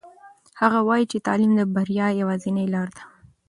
هغه وایي چې تعلیم د بریا یوازینۍ لاره ده.